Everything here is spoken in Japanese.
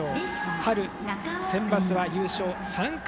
春センバツは優勝３回。